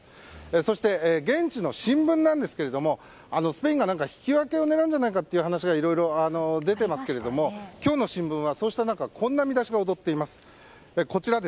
そして、現地の新聞なんですがスペインが引き分けを狙うんじゃないかという話がいろいろ出ていますが今日の新聞はそうした中こんな見出しが躍っています。